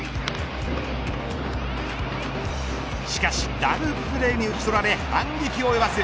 しかしダブルプレーに打ち取られ反撃及ばず。